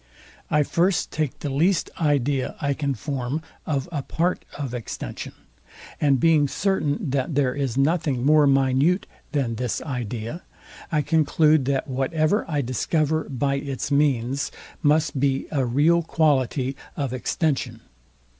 I first take the least idea I can form of a part of extension, and being certain that there is nothing more minute than this idea, I conclude, that whatever I discover by its means must be a real quality of extension.